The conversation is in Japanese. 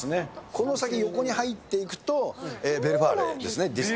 この先、横に入っていくと、ヴェルファーレですね。